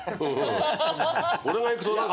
俺が行くと何か。